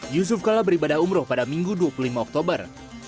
yusuf kala beribadah umroh pada minggu dua puluh lima oktober